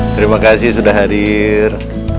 terima kasih sudah hadir